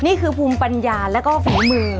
นี่คือภูมิปัญญาแล้วก็ฝีมือ